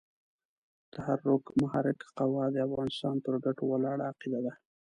تحرک محرکه قوه د افغانستان پر ګټو ولاړه عقیده ده.